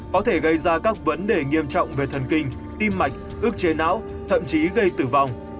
có thể gây ra các vấn đề nghiêm trọng về thần kinh tim mạch ước chế não thậm chí gây tử vong